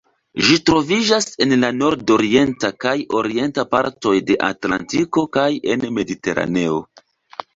Ĝi troviĝas en la nordorienta kaj orienta partoj de Atlantiko kaj en Mediteraneo.